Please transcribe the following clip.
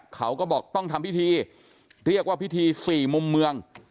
เขาก็บอกต้องทำพิธีเรียกว่าพิธีสี่มุมเมือง